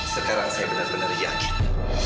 sekarang saya benar benar yakin